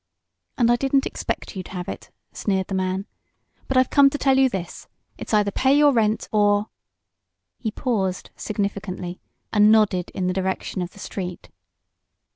"And I didn't expect you'd have it," sneered the man. "But I've come to tell you this. It's either pay your rent or " He paused significantly and nodded in the direction of the street.